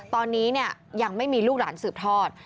ตอนนี้ยังไม่มีลูกหลานสืบทอด